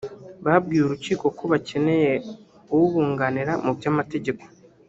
babwiye urukiko ko bakeneye ubunganira mu by’amategeko